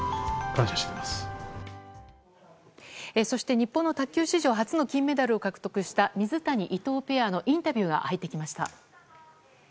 日本の卓球史上初の金メダルを獲得した水谷、伊藤ペアのインタビューが入ってきました。